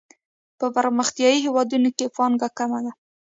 په پرمختیايي هیوادونو کې پانګه کمه ده.